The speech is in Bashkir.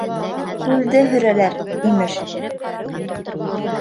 Күлде һөрәләр, имеш!